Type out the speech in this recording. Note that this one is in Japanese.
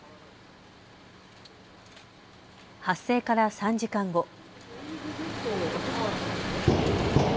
発生から３時間後。